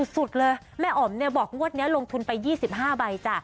สุดเลยแม่อ๋อมเนี่ยบอกงวดนี้ลงทุนไป๒๕ใบจ้ะ